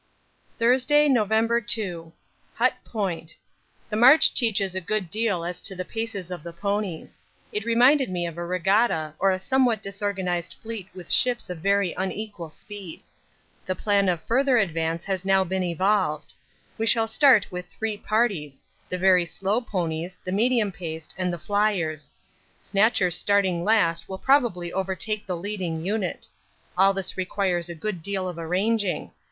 Thursday, November 2. Hut Point. The march teaches a good deal as to the paces of the ponies. It reminded me of a regatta or a somewhat disorganised fleet with ships of very unequal speed. The plan of further advance has now been evolved. We shall start in three parties the very slow ponies, the medium paced, and the fliers. Snatcher starting last will probably overtake the leading unit. All this requires a good deal of arranging.